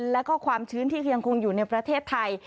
แล้วก็ความชื้นที่ยังคงอยู่ในประเทศไทย